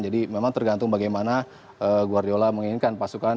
jadi memang tergantung bagaimana guardiola menginginkan pasukan